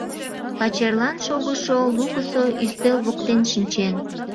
Пачерлан шогышо лукысо ӱстел воктен шинчен.